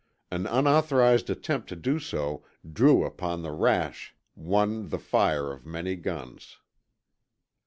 An unauthorized attempt to do so drew upon the rash one the fire of many guns.